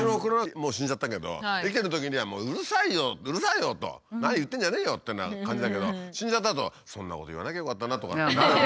もう死んじゃったけど生きてたときには「うるさいようるさいよ！」と。「そんな言ってんじゃねえよ！」というような感じだけど死んじゃったあと「そんなこと言わなきゃよかったな」とかってなる。